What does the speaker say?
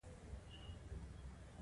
ځینې توکي په مستقیم ډول په مصرف رسیږي.